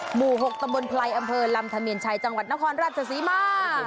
หมู่๖ตำบลไพรอำเภอลำธเมียนชัยจังหวัดนครราชศรีมา